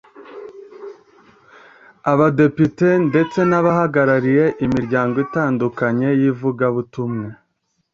abadepite ndetse n’abahagarariye imiryango itandukanye y’ivugabutumwa